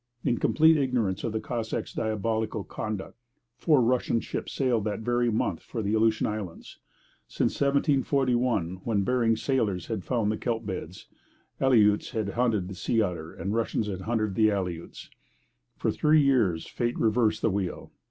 In complete ignorance of the Cossack's diabolical conduct, four Russian ships sailed that very month for the Aleutian Islands. Since 1741, when Bering's sailors had found the kelp beds, Aleuts had hunted the sea otter and Russians had hunted the Aleuts. For three years fate reversed the wheel.